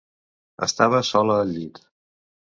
Estava sola al llit.